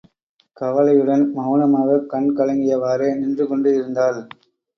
கவலையுடன் மெளனமாகக் கண் கலங்கியவாறே நின்றுகொண்டு இருந்தாள்.